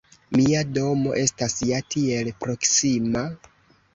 Mia domo estas ja tiel proksima!